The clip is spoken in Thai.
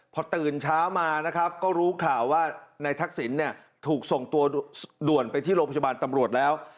พอตื่นเช้ามานะครับก็รู้ข่าวว่านายทักษิณเนี่ยถูกส่งตัวด่วนไปที่โรงพยาบาลตำรวจแล้ว